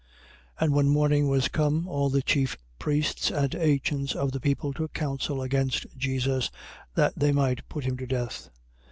27:1. And when morning was come, all the chief priests and ancients of the people took counsel against Jesus, that they might put him to death.